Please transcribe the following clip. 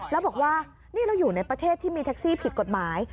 แล้วบอกว่านี่เราอยู่ในประเทศที่มีแท็กซี่ผิดกฎหมาย